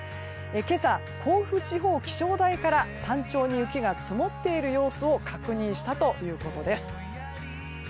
今朝、甲府地方気象台から山頂に雪が積もっている様子を確認したということです。